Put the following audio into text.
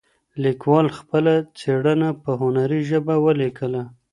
لیکوال خپله څېړنه په هنري ژبه ولیکله.